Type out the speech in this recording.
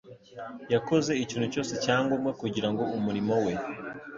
Yakoze ikintu cyose cya ngombwa kugira ngo umurimo we